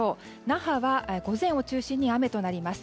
那覇は、午前を中心に雨となります。